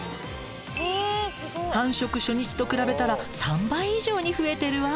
繁殖初日と比べたら３倍以上に増えてるわ。